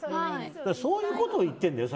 そういうことを言ってるんだよ